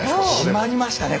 決まりましたね